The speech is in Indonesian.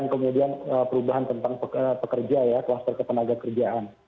dan kemudian perubahan tentang pekerja ya kluster ketenaga kerjaan